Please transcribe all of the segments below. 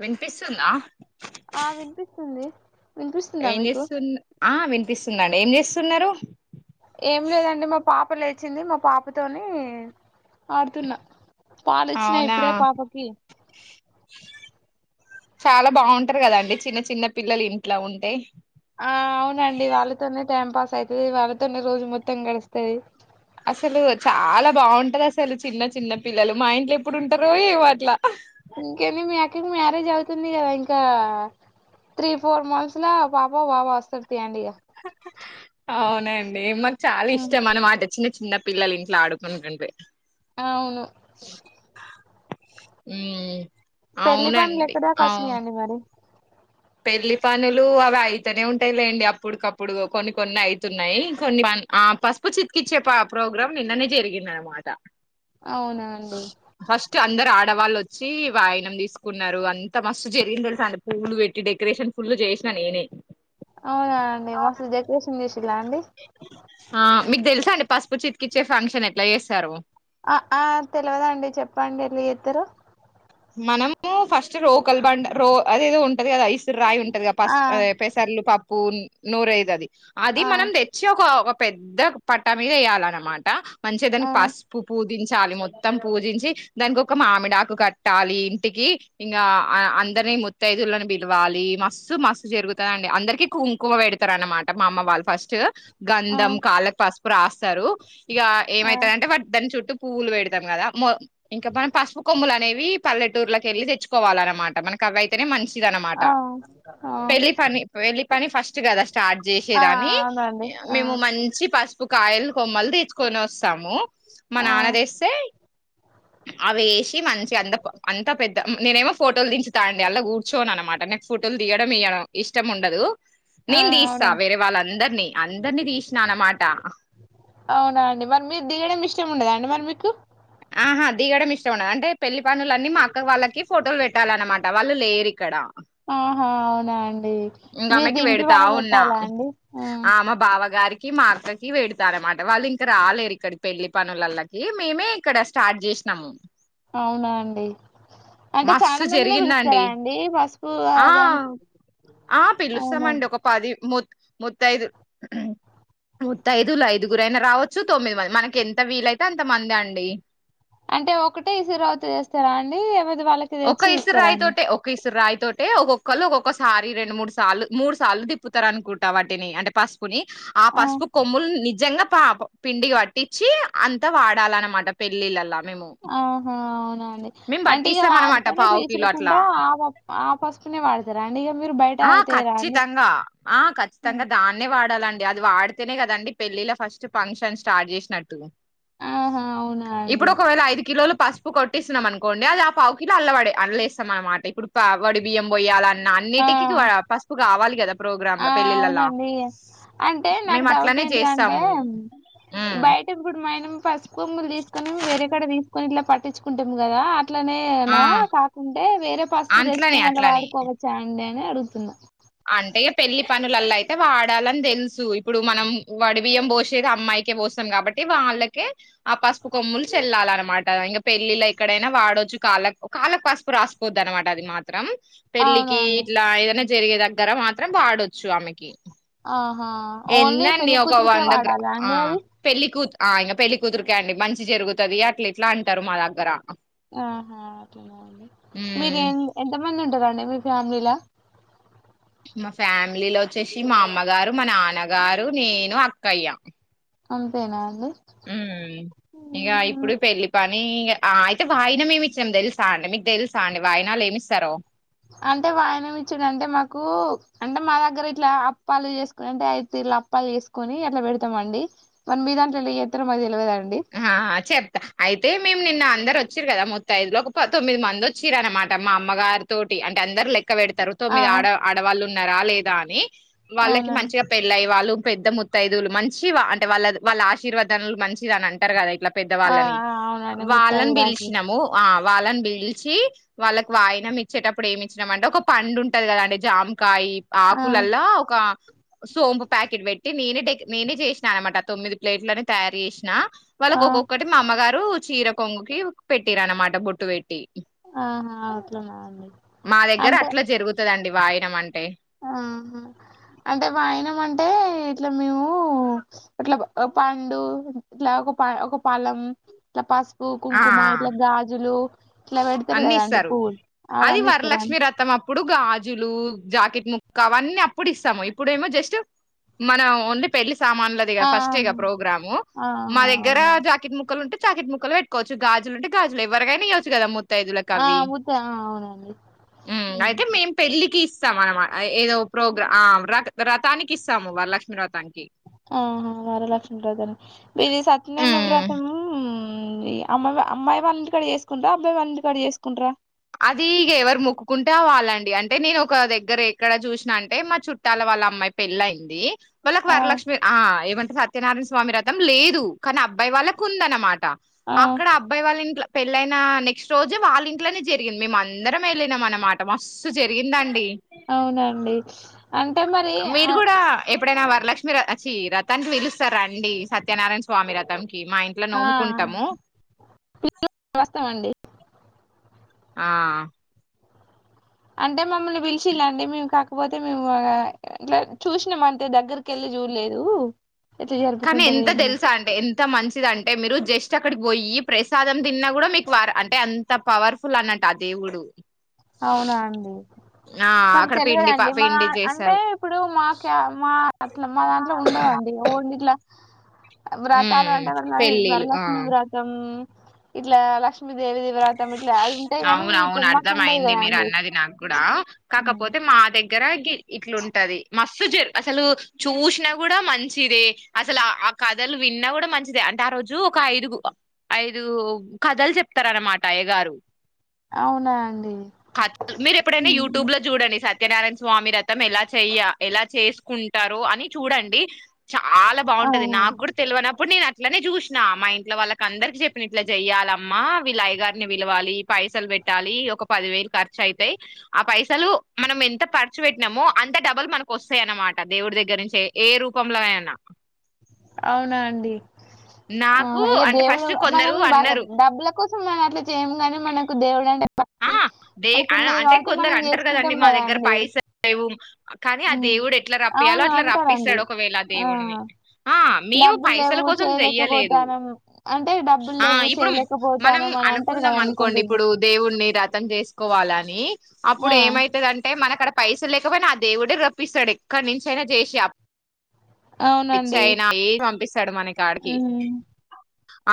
వినిపిస్తుందా! ఆ వినిపిస్తుంది. వినిపిస్తుందా ఏం మీకు చేస్తునన్ ఆ వినిపిస్తుందండి ఏం జెస్తున్నరు ఏం లేదండి మా పాప లేచింది. మా పాపతోని ఆడుతున్న పాలిచ్చినా అవునా ఇప్పుడే పాపకి చాలా బావుంటరు కదండి చిన్న చిన్న పిల్లలు ఇంట్ల ఉంటే ఆ అవునండి వాళ్ళతోనే టైం పాస్ అయితది. వాళ్ళతోనే రోజు మొత్తం గడుస్తది అసలు చాలా బాగుంటది అసలు చిన్న చిన్న పిల్లలు మా ఇంట్లో ఎప్పుడుంటరో ఏమో అట్ల ఇంకేది మీ అక్కకి మ్యారేజ్ అవుతుంది గదా ఇం ఇంకా త్రీ ఫోర్ మంత్స్ లా పాపో బాబో వస్తడు తీయండి ఇగ [unintelligible] అవునండి మాకు చాలా హ్మ్ ఇష్టం అన్న మాట చిన్న చిన్న పిల్లలు ఇంట్లో ఆడుకుంటుంటే. అవును. ఉమ్ పెళ్లి పనులు అవునండి ఎక్కడిదాకా అవు వచ్చినాయి అండి మారి. పెళ్లి పనులు అవి అయితనే ఉంటాయిలేండి అప్పుడికప్పుడు కొన్ని కొన్ని అయితున్నాయి కొన్ని. ఆహ్ పసుపు చిత్కిచ్చే ప్రోగ్రాం నిన్ననే జరిగింది అనమాట. అవునా అండి ఫస్ట్ అందరు ఆడవాళ్ళు వచ్. వచ్చి వాయినం తీసుకున్నారు అంత మస్తు జరిగింది తెలుస అండి పూలు పెట్టి. డెకరేషన్ ఫుల్ చేసినా నేనే. అవునాండి మస్తు డెకరేషన్ చేస్. ఆహ్ మీకు తెలుసా అండి పసుపు చితికిచ్చే ఫంక్షన్ ఎట్ల చేస్తారో. ఆహ్ ఆహ్ తెలవదండి చెప్పండి. ఎట్ల చెత్తరో. మనము ఫస్ట్ రోకల్ బండ రో అదేదో ఉంటది కదా ఈసురు రాయి ఉం. ఉంటది కదా ఆ పసుప్ ఆహ్ పెసర్లు పప్పు నూరైతాది అది ఆ మనం తెచ్చి ఒక. పెద్ద పట్టా మీద వేయాలన్నమాట మంచిగా ఆ దానికి పసుపు పూస్. పూజించాలి. మొత్తం పూజించి, దానికి ఒక మామిడాకు కట్టాలి ఇంటికి. ఇంగ ఆహ్ అందరినీ మొత్. ముతైదులను పిలవాలి మస్త్ మస్త్ జరుగుతదండి అందరికి కుంకుమ పెడతారు అన్న మాట. మా అమ్మ వాళ్ళు ఫస్ట్ ఆ గంధం కాళ్ళకు పసుపు రాస్తారు. ఇక ఆ ఏమైతదంటే వాటి దాని చుట్టూ పువ్వులు పేడతాం కదా మొ ఇంకా మనం పసుపు కొమ్ములు అనేవి. పల్లెటూర్లోకెళ్ళి తెచ్చుకోవాలి అన్నమాట మనకు అవి అయితేనే మంచి. ఇదనమాట ఆ ఆ పెళ్లి పని వెళ్లి. కానీ ఫస్ట్ కదా స్టార్ట్ ఆ చేసేదాని అవునండి ఆ మేము మంచి పసు. కాయలు కొమ్మలు తీసుకొని వస్తాము. మా ఆ నాన్న తెస్తే అవి వేసి మంచిగా అంత. అంత పెద్ద నేనేమో ఫోటోలు దించుతా అండి అండ్ల కూర్చోను అనమాట నెక్స్ట్ ఫోటోలు దియడం ఇయ్యడం. ఇష్టం ఉండదు. ఆ నేను తీస్తా అవునా వేరే వాళ్ళ అందర్నీ అందరినీ తీసినా అన్నమాట. అవునా అండి మరి మీకు దిగడం ఇష్టం ఉండదా అండి మరి మీకి. ఆహా దిగడం ఇష్టం ఉండదు అంటే. పెళ్లి పనులన్నీ మాఅక్క వాళ్ళకి ఫోటోలు పెట్టాలనమాట వాళ్ళు లేరు ఇక్కడ. ఆహా అవునా అండి ఇంకా మీరు ఆమెకి దింపి పెడతా వాళ్ళకి ఉన్నా పెట్టాలా అండి ఆ ఆహ్ మా బావగారికి. మా అక్కకి పెడతారనమాట వాళ్ళు ఇంక రాలేరు ఇక్కడకి పెళ్లి పనులలకి మేమే. ఇక్కడ స్టార్ట్ చేసినాము. అవునా అండి. అంటే చాలా మస్తు మందినే జరిగిందండి పిలుస్తారా అండి పసుపు దానికి. ఆహ్ అవునా పిలుస్తామండి ఒక పది ముత్ మత్తైదు. ముత్తైదులు ఐదుగురు అయినా రావచ్చు తొమ్మిది మంది మనకి ఎంత వీలు అయితే ఎంత మంది అండి. అంటే ఒకటే ఇసిరురాయితో చేస్తారా అండి ఎవ. ఒక ఇసురురాయి తోటే ఒక ఇసురురాయి. త ఒక్కొక్కళ్ళు ఒకొక్కసారి రెండు మూడు సార్లు మూడు సార్లు తిప్పుతారు అనుకుంటా వాటిని అంటే ఫస్ట్. ని ఆ పసుపు కొమ్ముల్. ని జర్ర పాపం పిండికి పట్టించి అంతా వాడాలన్నమాట పెళ్ళిళ్ళలా. మేము ఆహ్. మేము అంటే ఇంకా పట్టిస్తాం అనమాట వాటితోనే పావు కిలో విసురుకుంట అట్లా ఆహ్ ఆ పసుపునే వాడు ఆహ్ ఖచ్చితంగా ఆహ్ ఖచ్చితంగా దాన్నే వాడాలం. అది వాడితేనే కదండి పెళ్ళిల ఫస్ట్ ఫంక్షన్ స్టార్ట్ చేసినట్టు. ఆహా అవునా అండి ఇప్పుడు ఒకవేళ ఐదు కిలోలు పసుప్ ఇప్పుడు కొట్టిస్తున్నాం అనుకోండి అది ఆ పావుకిలో అల్లవడ అల్లేేస్తాం అనమాట ఇప్పుడు ప వడి బియ్యం పోయాలన్నా అన్. టిక్కిట్ పసుపు కావాలి. లో ఆహ్ పెళ్ళిళ్ళలా అవునండి. అంటే నాకు మేము డౌట్ అట్లనే ఏంటింటే చేస్తాము ఉమ్ బయట కూడా మనం పసుపు కొమ్ములు తీసుకొనిము వేరే కడ తీసుకొని ఇట్లా పట్టించుకుంటాం కదా ఆ అట్లనేనా కాకుంటే వేరే పసుపు అట్లనే తెచ్చుకొని అలా అట్లనే వాడుకోవచ్చా అండి అడుగుతున్నా అంటే పెళ్లి పనులల్లో అయితే వాడాలని తెలుసు ఇప్పుడు మనం వడి బియ్యం పోసేది అమ్మాయికే పోస్తాం కాబట్టి వాళ్ళకే ఆ పసుపు కొమ్ములు చెల్లాలన్నమాట ఇంకా పెళ్లిళ ఎక్కడైనా వాడొచ్చు కాళ్లు కాళ్లకు వా పసుపు రాసిపోద్ అనమాట అది మాత్ర మాత్రం అవునా పెళ్ళికి అండి ఇట్లా ఏదైనా జరిగే దగ్గర మాత్రం వాడొచ్చు ఆమెకి ఆహా ఓన్లీ ఎన్నెన్ని పెళ్లి ఒక కూతురికే వాదా గ్రా వాడాలా ఆ అండి అది పెళ్ళికూత్ ఆ ఇగ పెళ్లి కుదిరికాయండి మంచి జరుగుతుది అట్లా ఇట్లా అంటారు మా దగ్గర ఆహా అట్లనా అండి మీరు ఉమ్ ఎంత మంది ఉంటారండి మీరు ఫ్యామిలీలా మా ఫ్యామిలీలో వచ్చేసి మా అమ్మగారు మా నాన్నగారు నేను అక్కయ్య అంతేనా అండి ఉ ఇక ఇప్పుడు హ్మ్. పెళ్లిపాటి అయితే వాయినం ఏమి ఇచ్చాం తెలుసా అండి మీకు తెలుసా అండి వాయనాలు ఏమిస్తారో అంటే వాయనంచ్చడు అంటే మాకు అంటే మా దగ్గర ఇట్లా అప్పాలు చేసుకుని అంటే అయితే ఇలా అప్పాలు చేసుకొని అట్లా పెడతామండి మన మీ దాంట్లో ఎత మది తెలివదండి ఆ చెప్తా అయితే మేము నిన్న అందరు వచ్చిరు కదా ముత్త ఐదు లో ఒక తొమ్మిది మంది వచ్చిర అనమాట మా అమ్మగారితోటి అంటే అందరు లెక్క పక్క పెడతారు ఆ తొమ్మిది ఆడ ఆడవాళ్ళు ఉన్నారా లేదా అని వాళ్ళకి అవునండి మంచిగా పెళ్ళయి వాళ్ళు పెద్ద ముత్తయిదులు మంచి అంటే వాళ్ళ వాళ్ళ ఆశీర్వాదనలు మంచిది అని అంటారు కదా అట్లా ఆ పెద్దవాళ్ళని ఆ అవునండి వాళ్ళని ముత్తైదువురాకి పిలిచినాము ఆ వాళ్ళని పిలిచి వాళ్ళకి వాయినం ఇచ్చేటప్పుడు ఏమి ఇచ్చినాం అంటే ఒక పండు ఉంటది కదాండి జామ్ ఒకకా ఈ ఆ ఆకులల్లా ఒక సోంపు ప్యాకెట్ పెట్టి నేనే నేనే చేసినా అనమాట తొమ్మిది ప్లేట్లని తయారు చేసిన వాళ్ళకి ఆ ఒక్కొక్కటి మా అమ్మగారు చీర కొంగుకి పెట్టిరు అనమాట బొట్టు పెట్టి ఆహా అట్లనా అండి మా దగ్గర అంటే అట్లా జరుగుతుందండి వాయన అంటే ఆహా అంటే వాయనం అంటే ఇట్లా మేము ఇట్లా పండు ఇట్లా ఒక ప ఒక ఫలం ఇట్లా పసుపు ఆ కుంకుమ ఇట్లా గాజులు ఇట్లా పెడతారు అన్ని కదా అండి ఇస్తారు పువ్వులు అది అవన్నీ ఇస్తారా వరలక్ష్మి అండి రతం అప్పుడు గాజులు జాకెట్ ముక్క అవన్నీ అప్పుడు ఇస్తాము ఇప్పుడు ఏమో జస్ట్ మన ఓన్లీ పెళ్లి సామాన్లది ఆ ఫస్ట్ ఇగ ప్రోగ్రామ్ ఆ ఆ! మా ఆ! దగ్గర అవునండి జాకెట్ ముక్కలు ఉంటే జాకెట్ ముక్కలు పెట్కోవచ్చుగాజులుంట గాజలు ఎవరికనా ఇవచ్చుదా మత్త ముత్తయిదువలు ఆ కవి ముత్త ఆ! అవునండి హ్మ్. అయితే మేం పెళ్ళికిస్త ఇస్తాం అనమా ఏదో ప్రోగ్రామ్ ర రథానికి ఇస్తాము వర లక్ష్మీ వ్రథానికి ఆహా వరలక్ష్మి వ్రతాన్ని మీది సత్యనయ మ్మ్ వ్రతము అమ్మాయి అమ్మాయి వాళ ఇంటి కాడ చేసుకుంటారా అబ్బాయి వాళ ఇంటికాడ చేసుకుంటారా అది ఇ ఎవరు మక్కుంటే వాళ్ళండి అంటే నేను ఒక దగ్గర ఎక్కడ చూసినా అంటే మా చుట్టాల వాళ్ళ అమ్మాయి పెళ్ళ అయింది వాళ్ళకి ఆ వరలక్ష్మి ఆ ఏమంటే సత్యనారాయణ స్వామి వ్రథం లేదు కానీ అబ్బాయి వాళ్ళకు ఉందన్నమాట ఆ అక్కడ అబ్బాయి వాళ్ళ ఇంట్ల పెళ్ళయిన నెక్స్ట్ రోజే వాళ్ళ ఇంట్నే జరిగింది మేముమందరం వెళ్ళినాం అనమాట మస్తు జరిగిందండి అవునండి అంటే మరి ఆ మీరు కూడా ఎప్పుడైనా వరలక్ష్మి వచ్చి వ్రథానికి పిలుస్తారు రండి సత్యనారాయణ స్వామి వ్రథం మా ఇంట్లో ఆ నోముకుంటాము వస్తామండి ఆ అంటే మమ్మల్ని పిలిచిల్ండి మేము కాకపోతే మేము ఇట్లా చూసినా మ అంతే దగ్గరికి వెళ్ళి క్యూ లేదు. కానీ ఎంత తెలుసా? అంటే ఎంత మంచిది అంటే. మీరు జస్ట్. చక్ అక్కడికి పోయి ప్రసాదం తిన్నా కూడా, మీకు వార అంటే అంత పవర్ఫుల్ అన్నట్టు, ఆ దేవుడు! అవునా అండి? ఆ మాకు అక్కడ పిండి ప తెల్వదండి? మా పిండి అంటే. చేస్తారు ఇప్పుడు, మాక క్యా మాక అట్లా, మా దాంట్లో ఉండదండి ఏమోన్డిట్లా? వ్రతాలు ఉమ్ అంటే, వరల పెళ్ళిళ్ళు ఆ వరలక్ష్మి వ్రతం. ఇట్లా, లక్ష్మీదేవి ధీ వ్రతం. ఇట్లా యాద్ కుంటే కాని, పోమ్మ. అర్థం అయింది మీరు అన్నది నాకు కూడా, హ్మ్. కాకపోతే మా దగ్గర గి ఇట్లుంటది మస్త. సుజిర్, అసలు చూశ్న గుడా మంచిదే. అసలు ఆ ఆ కథలు, విన్నా కూడా మంచిదే. అంటే. రోజు ఒక ఐదుగు, ఐదు కథలు చెప్తారనమాట అయ్యగారు. అవునా అండి కథ [unintelligible] ల, మీరు ఎప్పుడైనా హ్మ్. యూట్యూబ్ లో చూడండి? సత్. సత్యనారాయణ స్వామి వ్రతం ఎలా చెయ్య? ఎలా చేసుకుంటారో? అని చూడండి. చాలా బాగుంటది! అవునా నాకు కూడా తెలివనాప. ఇప్పుడు, నేను అట్లనే జూశ్న. మా ఇంట్లో వాళ్లక అందరికి చెప్పిన, ఇట్లా చెయ్యాలమ్మా విల్లా అయగారిని విలవాలి. పైసలు పెట్టాలి. ఒక పది వేలు ఖర్చు అయితాయి. ఆ పైసలు మనం ఎంత ఖర్చు పెట్టినమో, అం. అంటే, డబులు మనకు వస్తాయ అన్నమాట. దేవుడి దగ్గర నుంచ, ఏ రూపంలో అయిన్నా. అవునా అండి? ఇమ. ఆ అయ్యే దేవుడు. మనం బాగా. డబ్బుల కోసం మనం అట్లా చేయము గాని, మనకు దేవుడు అంటే. ఆ, భక్తి దే మనకు ఉన్నది అంటే కాబట్టి కొందరు మనం అంటారు కదండి? చేసుకుంటాం మా కదా దగ్గర అండి పైసల్ లేవు కానీ, ఆ దే. ఉమ్. దేవుడు ఎట్లా రప్పియాలో, అవును అట్లా అంటారండి రప్పిస్తాడు. ఒకవేళ ఆ దేవున్ని. ఆ, మేము డబ్బులు పైసల లేవు కోసం జేయ్యలేదు? చేయలేకపోతానం అంటే డబ్బులు లేవు ఇప్పుడు మనం అం. చేయలేకపోతానం అని అంటారు అనుకున్నాం, కదండి అనుకోండి. కొందరు ఇప్పుడు దేవుడని. వ్రతం జేసుకోవాలి అని, ఆ అప్పుడు ఏమైతుదంటే? మనక అక్కడ పైసలు లేకపోయినా అధ. దేవుడే రప్పస్తాడు. ఎక్కడి నుంచి అయినా, జేసి అప్. రిచ్ అవునండి అయినా, ఏది పంపిస్తాడు. మనకి ఆడికి. ఉమ్.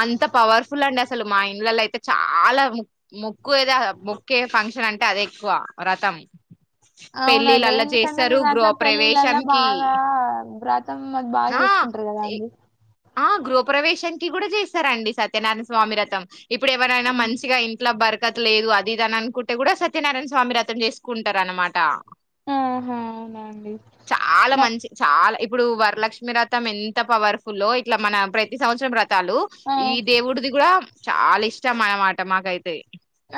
అంత పవర్ఫుల్ అండి. అసలు! మా ఇండ్లలో అయితే చాలా ముక, ముక. ఎక్కువ, ఏదోహ. మోక్కే ఫంక్షన్ అంటే అదే ఎక్కువ వ్రతం. అవునండి, ఎందుకండి? మీ దాంట్లో పెళ్లిళ్లలో గృహప్రవేశంకి బాగా బ్రత్. మొత్తం, అద బాగా ఆ చేసుకుంటారు కదా అండి? ఆ గృహప్రవేశానికి గుడా చేస్తారంండి, సత్యనారాయణ స్వామి వ్రతం. ఇప్పుడు ఎవరైనా, మంచిగా ఇంట్లో బత. యన్ కట్లా లేదు. అది-ఇద అనన్ కుటే గుడా, సత్యనారాయణ స్వామి వ్రతం జేసుకుంటార అనమాట. ఆహా అవునండి చాలా మ- మంచి, చాలా ఇప్. ఇప్పుడు వరలక్ష్మి వ్రతం, ఎంత పవర్ ఫుల్ లో ఇట్లా మన ప్రతి సంవత్సరం వ్రత. వ్రతాలు, ఆ. ఈ దేవుడిది కూడా చాలా ఇష్టం అనమాట మాకైతే.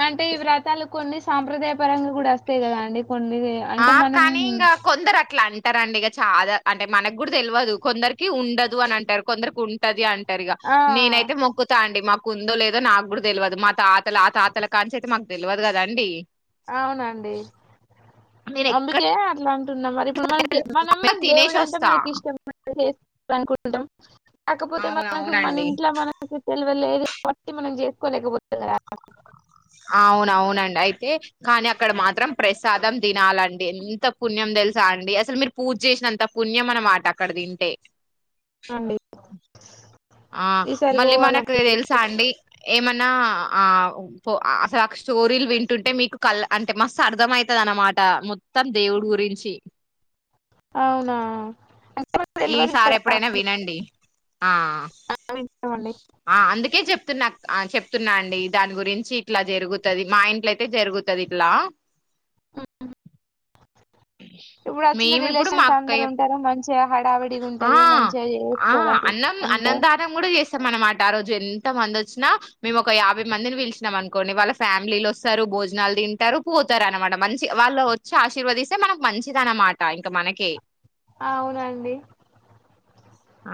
అంటే, ఈ వ్రతాలు కొన్ని సాంప్రదాయ పరంగా కూడా వస్తాయి కదా అండి? కొన్ని అంటే ఆ మనం కానీ, ఇంగా కొందరు అట్లా అంట. అంటారంండి ఇగా చాలా, అంటే మనకు కూడా తెల్వదు. కొందరికి ఉండదు అని అంటారు, కొందరికి ఉంటంది అం. టరిగా, ఆ! నేనైతే మొక్కుతా అండి! మాకు నాకు ఉందో లేదో? నాకు గుడా తెల్వదు? మా తాతలు, ఆ తాతల కన్నుంచి అయితే మాకు తెల్వదు కదా అండి? అవునండి! నేను ఎక్కడ అంబికే అట్లా. టున్నాం, మరి ఇప్పుడు మనకే. మనం తినేసి దేవుడు అంటే వస్తా మనకి ఇష్టం. మన [unintelligible] చేసు [unintelligible] కోవాల అనుకుండం. కాకపోతే! మనకి మన అవునవునండి ఇంట్లో, మనకి తెలివలేదు కా [unintelligible] బట్టి మనం జేసుకోలేకపోత. అవున, అవునండి. అయితే, కానీ అక్కడ మాత్రం ప్రసాదం. తినాలండి. ఎంత పుణ్యం తెలుసా అండి? అసలు మీరు పూజ చేసిన అంత పుణ్యం, అనమాట అక్కడ తింటే. అండి. ఆ హా! ఈసారి మళ్ల మనకు పోవాలండి. తెలుసా అండి? ఏమన్నా, ఆ పో. అసలు స్టోరీలు వింటుంటే, మీకు కల్ అంటే. మస్తు అర్ధమైతది అన్న. నామాట, మొత్తం దేవుడు గురించి. అవునా! ఈ తెలవదు సారి కదా ఎప్పుడైనా వినండి ఆ చాలా ఇష్టమండి చెప్తునక్ ఆ చెప్తున్నా అండి దాని గురించి ఇట్లా జరుగుతది మా ఇంట్ల అయితే జరుగుతది ఇట్లా మ్మ్మ్ ఇప్పుడు వచ్చిన మేము ఇప్పుడు మా రిలేషన్స్ అక్కయ్య అందరు ఉంటారు మంచిగా హడావడిగా ఉంటది మంచిగా చేసుకోవలనుకుంటున్న అన్నందానం కూడా చేస్ స్తామనమాట ఆ రోజు ఎంత మంది వచ్చినా మేము ఒక యాభై మందిని పీలిచినాం అనుకోండి వాళ్ళ ఫ్యామిలీలు వస్తారు భోజనాలు తింటారు పోతారు అనమాట మంచి వాళ్ళు వచ్చి ఆశీర్వాదిస్తే మనకు మంచిది అనమాట ఇంకా మనకే ఆవునండి ఆ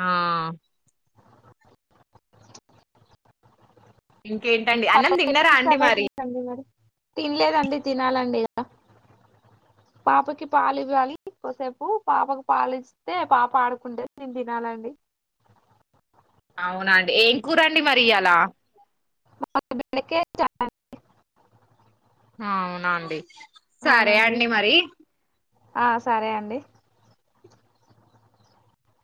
ఇంకేంటండి అన్నం కాకపోతే తిన్నారా ఎప్పుడు అండి స్టార్ట్ మరి అవుతుందండి మరి తినలేదండి తినాలండి ఇగ పాపకి పాలు ఇవ్వాలి కొసేపు పాపకు పాలు ఇస్తే పాప ఆడుకుంటే నేను తినాలండి అవునండి ఏం కూరండి మరి ఇయలా మాది బెండకాయ చారండీ అవున అండీ సరే అవునండి అండి మరి ఆ సరే అండి